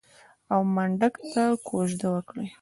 او منډک ته کوژده وکړي.